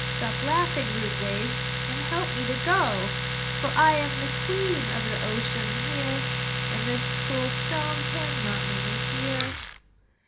Stop laughing, rude waves, And help me to go! "For I am the queen Of the ocean here, And this cruel stone Cannot make me fear."